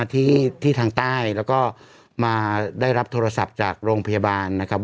ที่ทางใต้แล้วก็มาได้รับโทรศัพท์จากโรงพยาบาลนะครับ